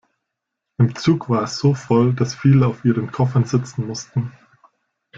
Im Zug war es so voll, dass viele auf ihren Koffern sitzen mussten.